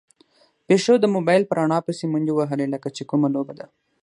پيشو د موبايل په رڼا پسې منډې وهلې، لکه چې کومه لوبه ده.